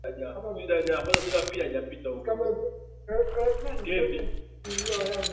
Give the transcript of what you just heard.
ya Bahari Atlantiki Mkoa wa Kabinda umetenganika na sehemu